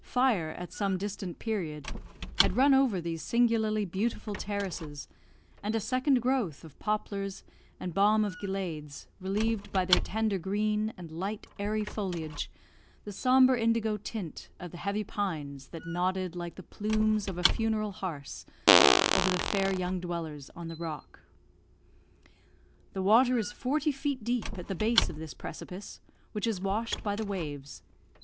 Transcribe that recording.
Fire, at some distant period, had run over these singularly beautiful terraces, and a second growth of poplars and balm of gileads, relieved, by their tender green and light, airy foilage, the sombre indigo tint of the heavy pines that nodded like the plumes of a funeral hearse over the fair young dwellers on the rock. The water is forty feet deep at the base of this precipice, which is washed by the waves.